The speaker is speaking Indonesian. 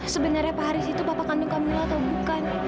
sebenarnya pak haris itu bapak kandung kamula atau bukan